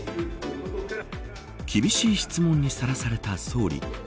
厳しい質問にさらされた総理。